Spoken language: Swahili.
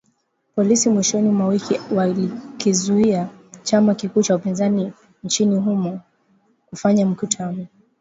Polisi mwishoni mwa wiki walikizuia chama kikuu cha upinzani nchini humo kufanya mikutano